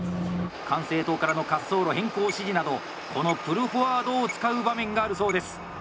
管制塔からの滑走路変更指示などこのプルフォワードを使う場面があるそうです。